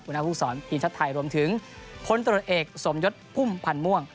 บุญนักภูมิสอนอินชัดไทยรวมถึงพนตรศน์เอกสมยศพุ่มพันม่วง